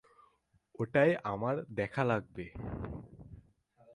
ওটায় আমার দেখা লাগবে।